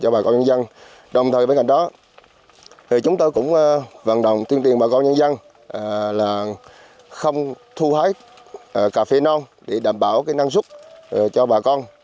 bà con nhân dân không thu hái cà phê non để đảm bảo năng suất cho bà con